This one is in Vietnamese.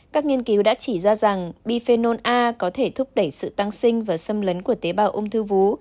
các nghiên cứu đã chỉ ra rằng bifelon a có thể thúc đẩy sự tăng sinh và xâm lấn của tế bào ung thư vú